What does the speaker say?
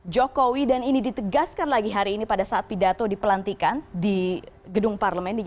jokowi dan ini ditegaskan lagi hari ini pada saat pidato di pelantikan di gedung parlemen